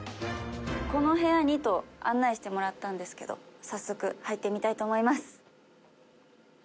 この部屋にと案内してもらったんですけど早速入ってみたいと思います。